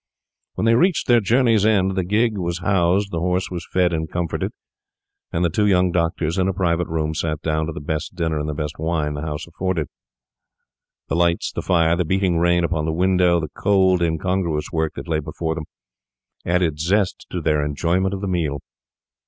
When they reached their journey's end the gig was housed, the horse was fed and comforted, and the two young doctors in a private room sat down to the best dinner and the best wine the house afforded. The lights, the fire, the beating rain upon the window, the cold, incongruous work that lay before them, added zest to their enjoyment of the meal.